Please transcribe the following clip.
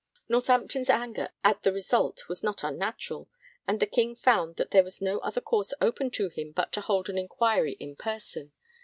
Northampton's anger at the result was not unnatural, and the King found that there was no other course open to him but to hold an inquiry in person.